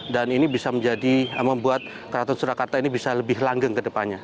dan ini bisa menjadi membuat kraton surakarta ini bisa lebih langgeng ke depannya